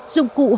dụng cụ hội